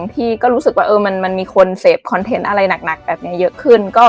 พี่ก็รู้สึกว่ามันมีคนเสพคอนเทนต์อะไรหนักแบบนี้เยอะขึ้น